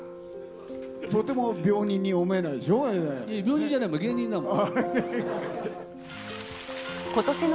とても病人に思えないでしょ。